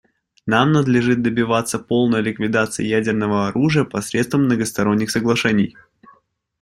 Нам надлежит добиваться полной ликвидации ядерного оружия посредством многосторонних соглашений.